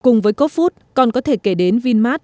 cùng với coop food còn có thể kể đến vinmart